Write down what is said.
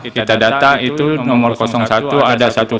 kita data itu nomor satu ada satu